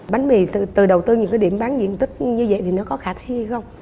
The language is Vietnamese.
bánh mì từ đầu tư những cái điểm bán diện tích như vậy thì nó có khả thi không